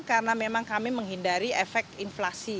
karena memang kami menghindari efek inflasi